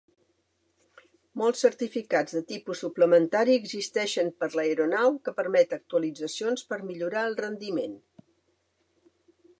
Molts certificats de tipus suplementari existeixen per l'aeronau que permet actualitzacions per millorar el rendiment.